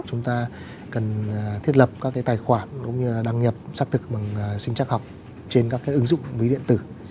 chúng ta cần thiết lập các tài khoản đăng nhập xác thực bằng sinh chắc học trên các ứng dụng ví điện tử